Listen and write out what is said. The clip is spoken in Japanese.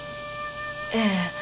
ええ。